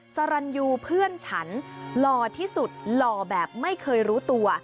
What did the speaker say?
สรรยูเพื่อนฉันหล่อที่สุดหล่อแบบไม่เคยรู้ตัว